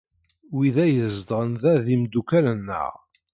Wid ay izedɣen da d imeddukal-nneɣ.